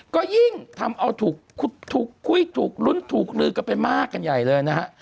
ก็ยิ่งทำเอาถูกคุยถูกลุ้นถูกลือกันไปมากกันใหญ่เลยนะฮะ